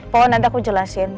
pokoknya nanti aku jelasin